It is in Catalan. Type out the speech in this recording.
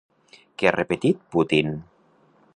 Què ha repetit Putin?